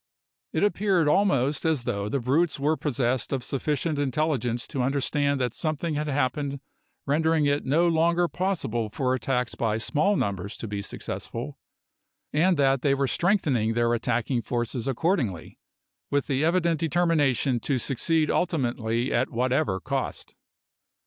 It appeared almost as though the brutes were possessed of sufficient intelligence to understand that something had happened rendering it no longer possible for attacks by small numbers to be successful, and that they were strengthening their attacking forces accordingly, with the evident determination to succeed ultimately at whatever cost.